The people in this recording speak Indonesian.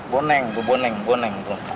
boneng tuh boneng boneng tuh